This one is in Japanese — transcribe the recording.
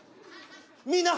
みんな！